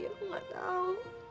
aku gak tahu